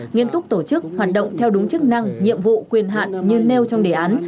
nghiêm túc tổ chức hoạt động theo đúng chức năng nhiệm vụ quyền hạn như nêu trong đề án